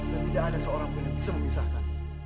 dan tidak ada seorang pun yang bisa memisahkan